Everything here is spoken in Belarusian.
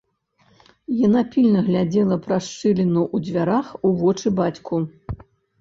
Яна пільна глядзела праз шчыліну ў дзвярах у вочы бацьку.